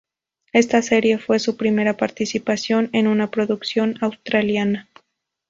Esta serie fue su primera participación en una producción australiana.